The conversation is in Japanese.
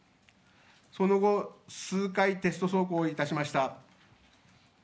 その後、数回テスト走行いたしました。